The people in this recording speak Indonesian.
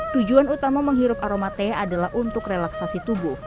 tujuan utama menghirup aroma teh adalah untuk relaksasi tubuh